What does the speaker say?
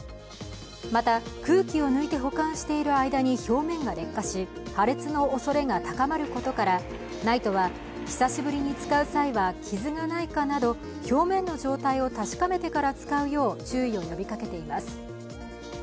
また、空気を抜いて保管している間に表面が劣化し破裂のおそれが高まることから、ＮＩＴＥは久しぶりに使う際は、傷がないかなど、表面の状態を確かめてから使うよう注意を呼びかけています。